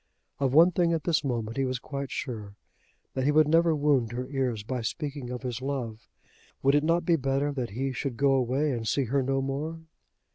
Of one thing at this moment he was quite sure, that he would never wound her ears by speaking of his love. Would it not be better that he should go away and see her no more?